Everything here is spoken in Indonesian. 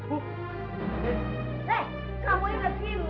oh tinggal segini